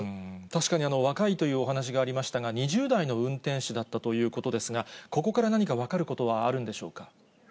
確かに若いというお話がありましたが、２０代の運転手だったということですが、ここから何か分かることはあるんでしょうか。